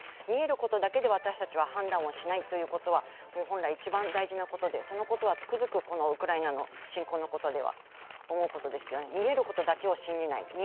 見えることだけで私たちは判断をしないということは本来、一番大事なことでそのことはつくづくウクライナの侵攻のことでは思うことですが見えることだけを信じない。